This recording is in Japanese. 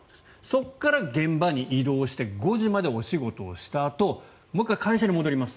そこから現場に移動して５時までお仕事をしたあともう１回会社に戻ります。